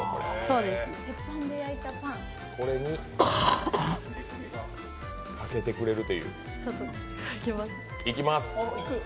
これにかけてくれるという。いきます。